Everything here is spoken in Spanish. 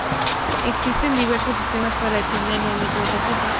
Existen diversos sistemas para determinar el movimiento de los ojos.